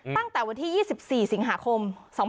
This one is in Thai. ตั้งแต่วันที่๒๔สิงหาคม๒๕๖๒